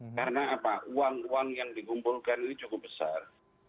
karena apa uang uang yang dikumpulkan ini cukup besar